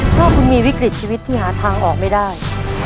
ถ้าคุณมีวิกฤตชีวิตที่หาทางออกไม่ได้